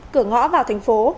cửa ngõ vào thành phố